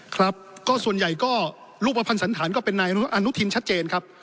ครับก็ส่วนใหญ่ก็รูปภัณฑ์สันธารก็เป็นนายอนุทินชัดเจนครับ